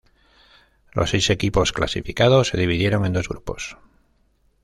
Los seis equipos clasificados se dividieron en dos grupos.